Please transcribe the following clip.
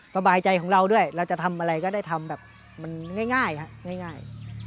สบายใจของเราด้วยเราจะทำอะไรก็ได้ทำแบบง่าย